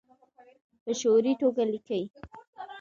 په شعوري توګه لیکي